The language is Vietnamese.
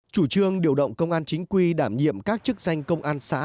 chủ trương điều động công an chính quy đảm nhiệm các chức danh công an xã